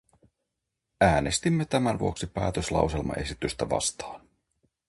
Äänestimme tämän vuoksi päätöslauselmaesitystä vastaan.